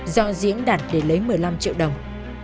do diễn đạt để lấy một mươi năm triệu đồng